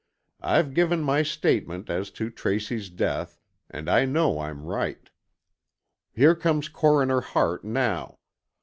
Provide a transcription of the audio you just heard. I've given my statement as to Tracy's death, and I know I'm right. Here comes Coroner Hart now.